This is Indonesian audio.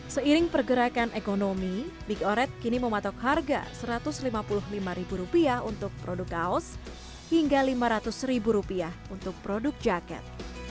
seiring pergerakan ekonomi big oret kini mematok harga rp satu ratus lima puluh lima untuk produk kaos hingga lima ratus ribu rupiah untuk produk jaket